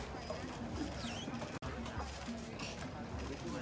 สวัสดีครับทุกคน